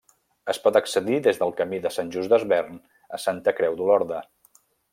Es pot accedir des del camí de Sant Just Desvern a Santa Creu d'Olorda.